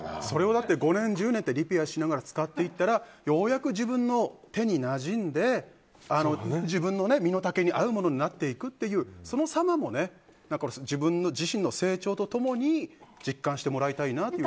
だって、５年１０年リペアしながら使っていったらようやく自分の手になじんで自分の身の丈に合うものになっていくっていう様も自分の自身の成長と共に実感してもらいたいなって